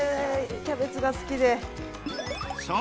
キャベツが好きで。